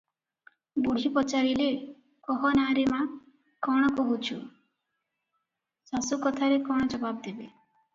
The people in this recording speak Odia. ବୁଢ଼ୀ ପଚାରିଲେ, "କହ ନା ରେ ମା, କଣ କହୁଛୁ?" ଶାଶୁ କଥାରେ କଣ ଜବାବ ଦେବେ?